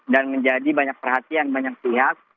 dan menjadi banyak perhatian banyak pihak